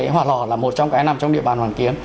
hòa lò là một trong cái nằm trong địa bàn hoàn kiếm